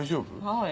はい。